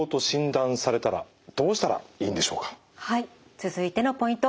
続いてのポイント